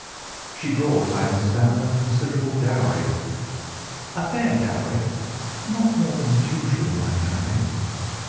"She brought, I understand, a considerable dowry?" "A fair dowry. Not more than is usual in my family."